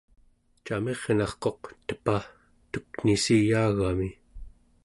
camirnarquq tepa tuknissiyaagami